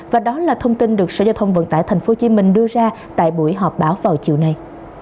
và đó là thông tin được sở giao thông vận tải tp hcm đưa ra tại buổi họp báo vào chiều nay